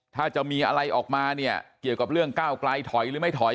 ถ้าจะมีอะไรออกมาเนี่ยเกี่ยวกับเรื่องก้าวไกลถอยหรือไม่ถอย